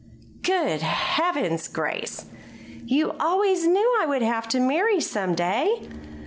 "Good Heavens, Grace! You always knew I would have to marry some day."